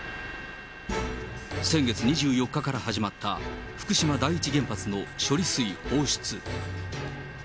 先月２４日から始まった福島第一原発の処理水放出。